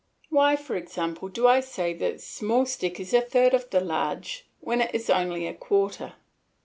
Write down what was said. Why, for example, do I say the small stick is a third of the large, when it is only a quarter?